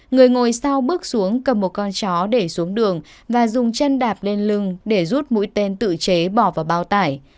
người ngồi sau bước xuống cầm một con chó để xuống đường và dùng chân đạp lên lưng để rút mũi tên tự chế bỏ vào bao tải